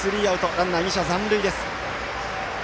ランナー、２者残塁です。